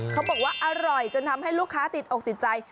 เขาบอกว่าอร่อยจนทำให้ลูกค้าติดอกติดใจ